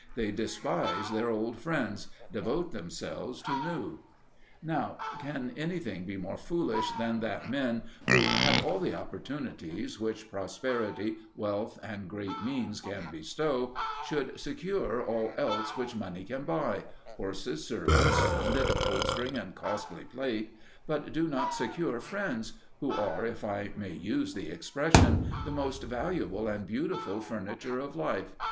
They despise their old friends: devote themselves to new. Now, can anything be more foolish than that men who have all the opportunities which prosperity, wealth, and great means can bestow, should secure all else which money can buy horses, servants, splendid upholstering, and costly plate but do not secure friends, who are, if I may use the expression, the most valuable and beautiful furniture of life?